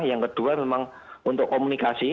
yang kedua memang untuk komunikasi